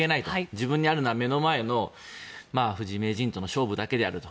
自分にあるのは目の前の藤井名人との勝負だけであると。